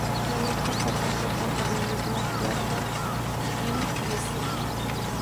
La letra está compuesta por la misma Clarkson y Jimmy Messer.